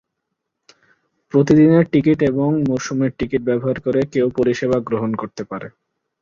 প্রতিদিনের টিকিট এবং মরসুমের টিকিট ব্যবহার করে কেউ পরিষেবা গ্রহণ করতে পারে।